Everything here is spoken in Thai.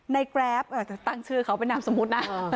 ในแกรปเอ่อแต่ตั้งชื่อเขาเป็นน้ำสมุทรนะ